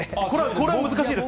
これは難しいですか。